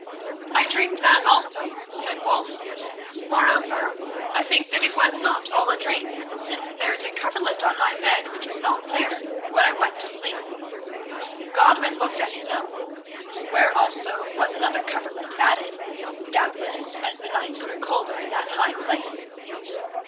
"I dreamed that also," said Wulf; "moreover, I think that it was not all a dream, since there is a coverlet on my bed which was not there when I went to sleep." Godwin looked at his own, where also was another coverlet added, doubtless as the night grew colder in that high place.